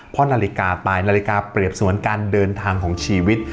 เพราะนาฬิกาตายนาฬิกาเปรียบสวนการเดินทางของชีวิต